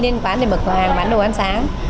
lên quán để mở hàng bán đồ ăn sáng